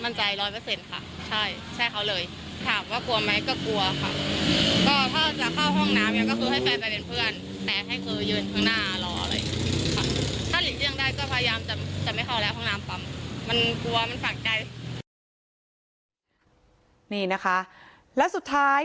นี่นะคะแล้วสุดท้าย